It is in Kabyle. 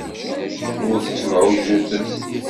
Ur tettemɛujjutem.